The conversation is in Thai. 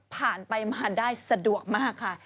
ผ่านไปมาได้สะดวกมากค่ะ